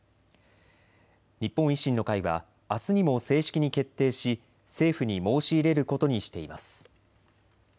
日本維新の会はあすにも正式に決定し政府に申し入れることにしています。